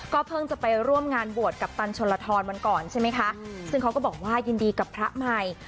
เพิ่งจะไปร่วมงานบวชกัปตันชนลทรวันก่อนใช่ไหมคะซึ่งเขาก็บอกว่ายินดีกับพระใหม่